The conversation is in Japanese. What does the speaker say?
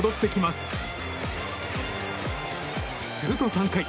すると３回。